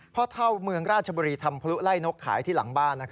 เท่าเมืองราชบุรีทำพลุไล่นกขายที่หลังบ้าน